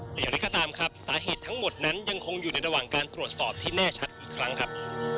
แต่อย่างไรก็ตามครับสาเหตุทั้งหมดนั้นยังคงอยู่ในระหว่างการตรวจสอบที่แน่ชัดอีกครั้งครับ